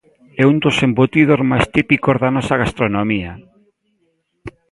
É un dos embutidos máis típicos da nosa gastronomía.